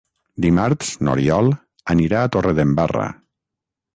Dimarts n'Oriol anirà a Torredembarra.